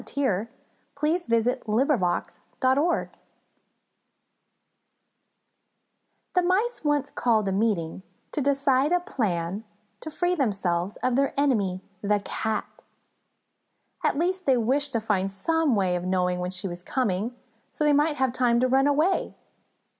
_ BELLING THE CAT The Mice once called a meeting to decide on a plan to free themselves of their enemy, the Cat. At least they wished to find some way of knowing when she was coming, so they might have time to run away.